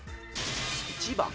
１番。